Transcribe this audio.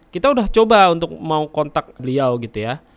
kita udah coba untuk mau kontak beliau gitu ya